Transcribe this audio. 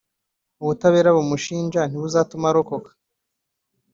ubutabera bumushinja ntibuzatuma arokoka.